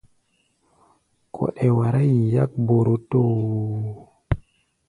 Kɔɗɛ wará yi yák borotoo.